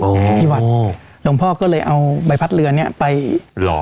ที่วัดหลวงพ่อก็เลยเอาใบพัดเรือเนี้ยไปหล่อ